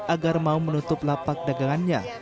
agar mau menutup lapak dagangannya